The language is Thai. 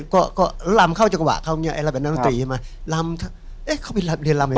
ก็ก็รำเข้าจังหวะเขาเนี่ยไอ้รำแบบนันตรีมารำเข้าไปเรียนรำไง